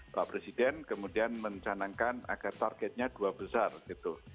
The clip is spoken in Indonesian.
pak presiden kemudian mencanangkan agar targetnya dua besar gitu